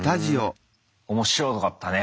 面白かったね。